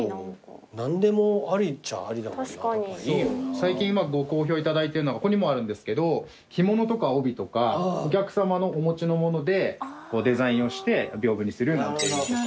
最近ご好評いただいてるのがここにもあるんですけど着物とか帯とかお客さまのお持ちのものでデザインをして屏風にするなんていうのとか。